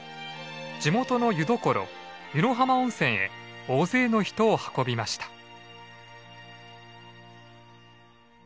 地元の湯どころ湯野浜温泉へ大勢の人を運びました。